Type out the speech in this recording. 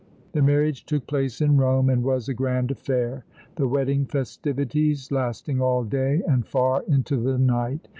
The marriage took place in Rome and was a grand affair, the wedding festivities lasting all day and far into the night.